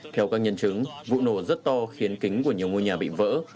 theo các nhân chứng vụ nổ rất to khiến kính của nhiều ngôi nhà bị vỡ